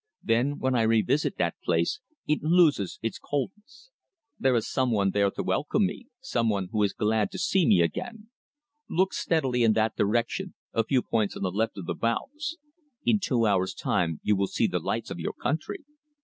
Then, when I revisit that place, it loses its coldness. There is some one there to welcome me, some one who is glad to see me again. Look steadily in that direction, a few points to the left of the bows. In two hours' time you will see the lights of your country.